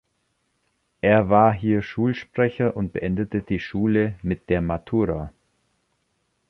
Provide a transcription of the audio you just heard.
Er war hier Schulsprecher und beendete die Schule mit der Matura.